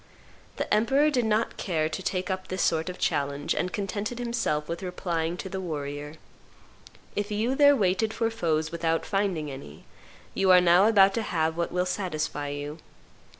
The emperor did not care to take up this sort of challenge, and contented himself with replying to the warrior, "If you there waited for foes without finding any, you are now about to have what will satisfy you.